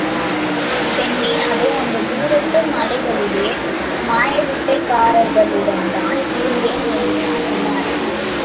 பெண்ணே, அதோ அந்த தூரத்து மலைகளிலே, மாயவித்தைக்காரர்களுடன்தான் இருந்தேன் என்றான் உமார்.